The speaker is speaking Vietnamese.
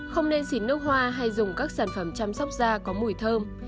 không nên xịn nước hoa hay dùng các sản phẩm chăm sóc da có mùi thơm